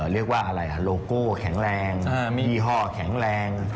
เรียกว่าอะไรโลโก้แข็งแรงมียี่ห้อแข็งแรง